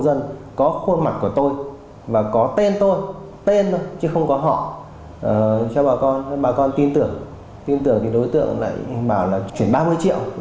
bà con tin tưởng tin tưởng thì đối tượng lại bảo là chuyển ba mươi triệu